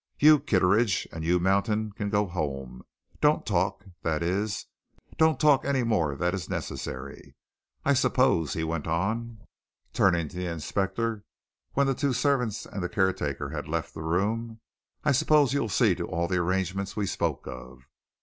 "You, Kitteridge, and you, Mountain, can go home. Don't talk that is, don't talk any more than is necessary. I suppose," he went on, turning to the inspector when the two servants and the caretaker had left the room. "I suppose you'll see to all the arrangements we spoke of?"